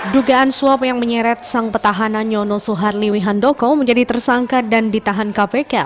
dugaan suap yang menyeret sang petahana nyono suharli wihandoko menjadi tersangka dan ditahan kpk